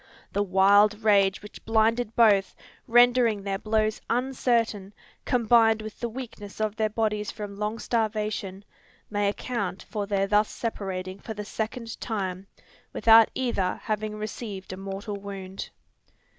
The wild rage which blinded both, rendering their blows uncertain, combined with the weakness of their bodies from long starvation, may account for their thus separating for the second time, without either having received a mortal wound.